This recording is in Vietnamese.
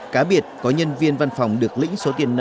cá biệt có nhân viên văn phòng được lĩnh số tiền nợ